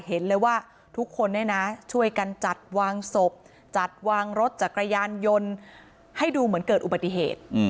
เห็นเลยว่าทุกคนเนี่ยนะช่วยกันจัดวางศพจัดวางรถจักรยานยนต์ให้ดูเหมือนเกิดอุบัติเหตุ